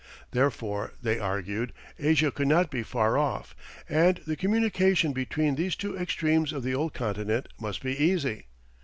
Therefore, they argued, Asia could not be far off, and the communication between these two extremes of the old continent must be easy.